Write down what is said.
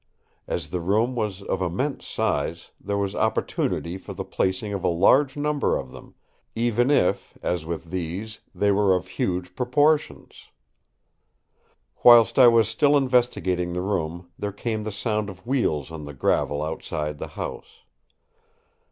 As the room was of immense size there was opportunity for the placing of a large number of them, even if, as with these, they were of huge proportions. Whilst I was still investigating the room there came the sound of wheels on the gravel outside the house.